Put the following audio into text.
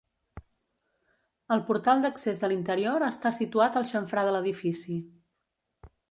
El portal d'accés a l'interior està situat al xamfrà de l'edifici.